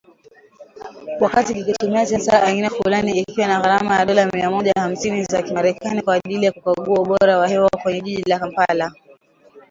Wakati kikitumia sensa ya aina fulani, ikiwa na gharama ya dola mia moja hamsini za kimerekani kwa ajili ya kukagua ubora wa hewa kwenye jiji la Kampala